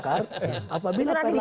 apabila pak erlangga calon presiden